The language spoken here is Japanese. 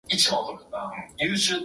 時を戻そう